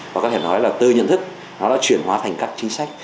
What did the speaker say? và có thể nói là từ nhận thức nó đã chuyển hóa thành các chính sách